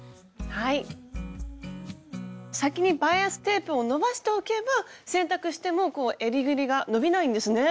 先にバイアステープを伸ばしておけば洗濯しても襟ぐりが伸びないんですね。